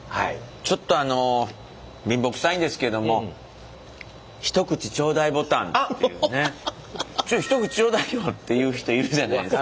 ちょっとあの貧乏くさいんですけども「ちょっと一口ちょうだいよ」って言う人いるじゃないですか。